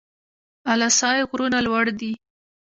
اله سای غرونه لوړ دي؟